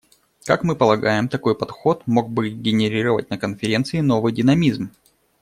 Как мы полагаем, такой подход мог бы генерировать на Конференции новый динамизм.